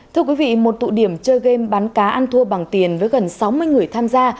thưa quý vị một tụ điểm chơi game bắn cá ăn thua bằng tiền với gần sáu mươi người tham gia